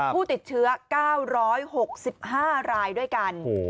ผู้ติดเชื้อ๙๖๕รายด้วยกัน